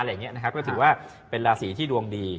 อะไรแบบนี้ก็ถือว่าเป็นราศีที่ดวงดี